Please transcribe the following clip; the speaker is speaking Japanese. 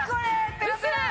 ペラペラ！